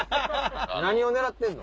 何を狙ってんの？